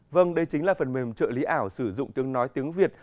vâng đây chính là phần mềm trợ lý ảo sử dụng tiếng nói tiếng việt